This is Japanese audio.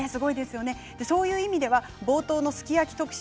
そういう意味では冒頭のすき焼き特集